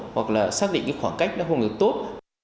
hoặc là xác định khoảng cách nó không được tốt